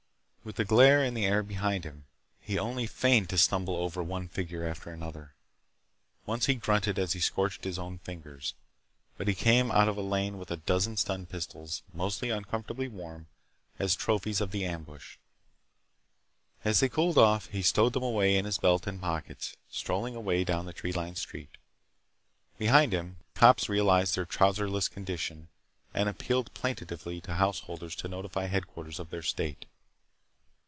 With the glare in the air behind him, he only feigned to stumble over one figure after another. Once he grunted as he scorched his own fingers. But he came out of the lane with a dozen stun pistols, mostly uncomfortably warm, as trophies of the ambush. As they cooled off he stowed them away in his belt and pockets, strolling away down the tree lined street. Behind him, cops realized their trouserless condition and appealed plaintively to householders to notify headquarters of their state.